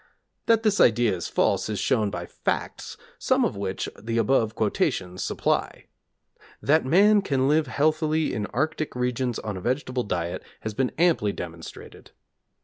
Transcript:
That this idea is false is shown by facts, some of which the above quotations supply. That man can live healthily in arctic regions on a vegetable diet has been amply demonstrated.